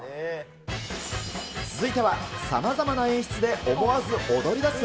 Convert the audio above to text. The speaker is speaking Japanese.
続いては、さまざまな演出で思わず踊りだす？